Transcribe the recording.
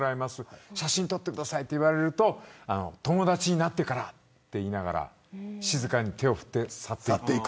写真撮ってくださいと言われると友達になってからって言いながら静かに手を振って去っていく。